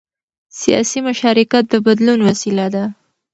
سیاسي مشارکت د بدلون وسیله ده